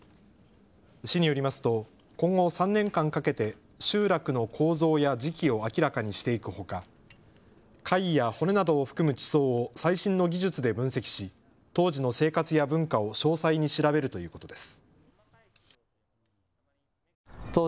市によりますと今後３年間かけて集落の構造や時期を明らかにしていくほか貝や骨などを含む地層を最新の技術で分析し当時の生活や文化を詳細に調べるということです。